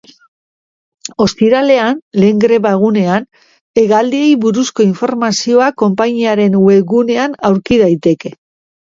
Ostiralean, lehen greba-egunean, hegaldiei buruzko informazioa konpainiaren webgunean aurki daiteke.